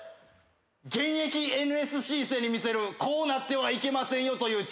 現役ＮＳＣ生に見せるこうなってはいけませんよという。